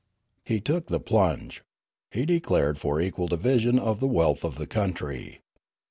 " He took the plunge. He declared for equal division of the wealth of the country.